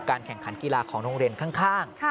แข่งขันกีฬาของโรงเรียนข้าง